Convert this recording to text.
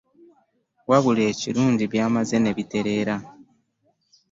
Wabula ekirungi byamaze ne bitereera.